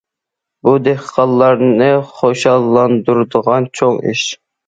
بۇ، دېھقانلارنى خۇشاللاندۇرىدىغان چوڭ ئىش.